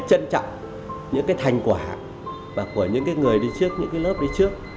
trân trọng những cái thành quả của những cái người đi trước những cái lớp đi trước